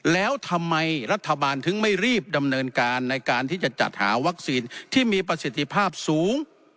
แล้วทำไมรัฐบาลถึงไม่รีบดำเนินการในการที่จะจัดหาวัคซีนที่มีประสิทธิภาพสูง